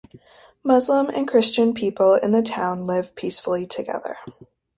Muslim and Christian people in the town live peacefully together.